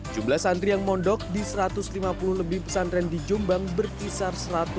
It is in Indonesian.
jumlah santri yang pondok di satu ratus lima puluh lebih pesantren di jombang berkisar satu ratus dua puluh lima ribu santri